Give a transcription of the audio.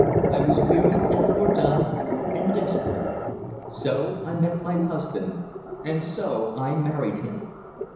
I was wearied and fordone and desperate.... So I met my husband, and so I married him.